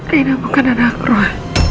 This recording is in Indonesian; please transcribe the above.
aina bukan anak aku ya